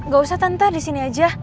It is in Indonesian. gak usah tante di sini aja